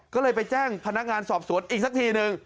ก็เลยไปแจ้งพนักงานสอบสวนอีกสักทีนึง